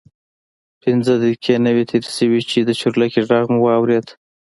پنځه دقیقې نه وې تېرې شوې چې د چورلکې غږ مو واورېد.